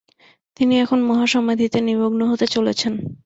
তিনি এখন মহাসমাধিতে নিমগ্ন হতে চলেছেন।